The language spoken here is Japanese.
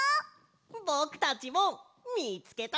ぼくたちもみつけたぞ！